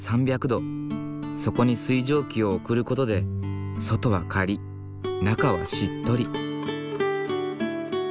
そこに水蒸気を送る事で外はカリッ中はシットリ。